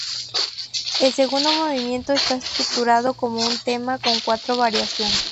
El segundo movimiento está estructurado como un tema con cuatro variación.